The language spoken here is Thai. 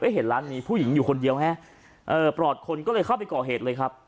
เห็นร้านมีผู้หญิงอยู่คนเดียวฮะปลอดคนก็เลยเข้าไปก่อเหตุเลยครับ